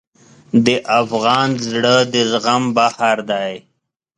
د افغان زړه د زغم بحر دی.